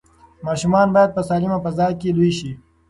ماشومان باید په سالمه فضا کې لوی شي.